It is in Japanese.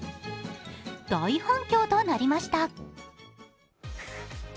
大反響となりました。